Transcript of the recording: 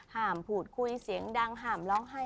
ห่ามผูดคุยเสียงดังห่ามร้องไห้